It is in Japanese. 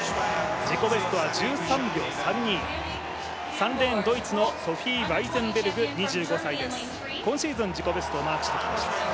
自己ベストは１３秒３２、３レーン、ドイツのソフィー・ワイゼンベルグ、今シーズン自己ベストをマークしてきました。